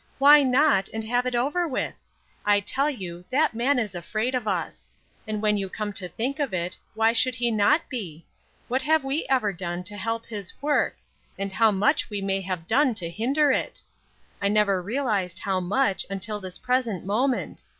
Why not, and have it over with? I tell you, that man is afraid of us! And when you come to think of it, why should he not be? What have we ever done to help his work; and how much we may have done to hinder it! I never realized how much, until this present moment.